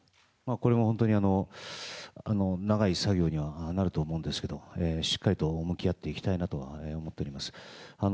これも本当に長い作業にはなると思うんですけど、しっかりと向き合っていきたいなとは思っております。